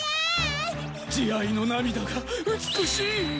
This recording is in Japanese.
慈愛の涙が美しい！